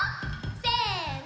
せの！